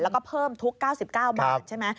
แล้วก็เพิ่มทุก๙๙บาทใช่ไหม